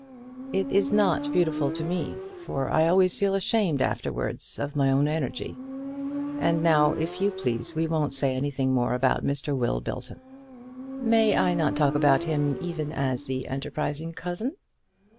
"It is not beautiful to me; for I always feel ashamed afterwards of my own energy. And now, if you please, we won't say anything more about Mr. Will Belton." "May I not talk about him, even as the enterprising cousin?"